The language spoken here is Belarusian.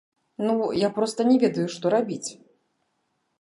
Ну, я проста не ведаю, што рабіць.